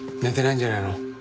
寝てないんじゃないの？